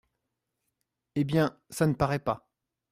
Eh bien, ça ne paraît pas.